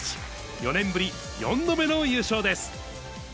４年ぶり４度目の優勝です。